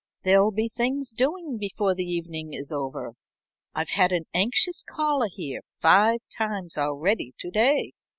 There'll be things doing before the evening is over. I've had an anxious caller here five times already to day.